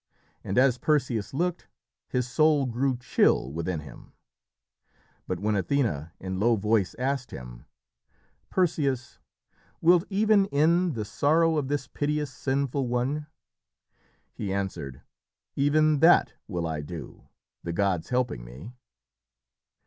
And as Perseus looked, his soul grew chill within him. But when Athené, in low voice, asked him: "Perseus, wilt even end the sorrow of this piteous sinful one?" he answered, "Even that will I do the gods helping me."